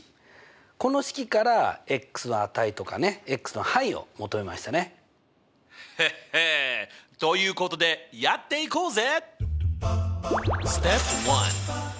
この式からの値とかねの範囲を求めヘッヘということでやっていこうぜ！